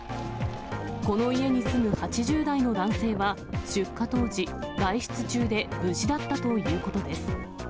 この家に住む８０代の男性は出火当時、外出中で無事だったということです。